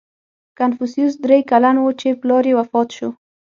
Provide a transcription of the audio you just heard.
• کنفوسیوس درې کلن و، چې پلار یې وفات شو.